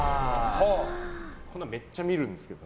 こんなめっちゃ見るんですけど。